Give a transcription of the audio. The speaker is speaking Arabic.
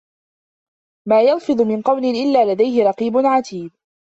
ما يَلفِظُ مِن قَولٍ إِلّا لَدَيهِ رَقيبٌ عَتيدٌ